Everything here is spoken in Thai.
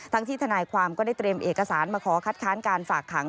ที่ทนายความก็ได้เตรียมเอกสารมาขอคัดค้านการฝากขัง